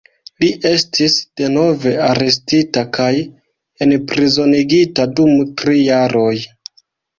Li estis denove arestita kaj enprizonigita dum tri jaroj.